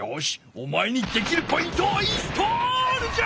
おまえにできるポイントをインストールじゃ！